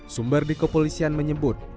sumber di kepolisian menyebut